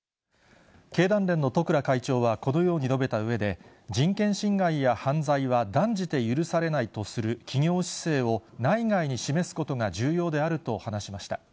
経団連の十倉会長はこのように述べたうえで、人権侵害や犯罪は、断じて許されないとする企業姿勢を内外に示すことが重要であると話しました。